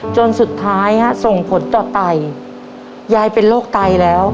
จนสุดท้ายส่งผลต่อไตยายเป็นโรคไตแล้ว